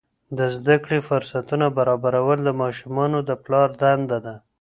د زده کړې فرصتونه برابرول د ماشومانو د پلار دنده ده.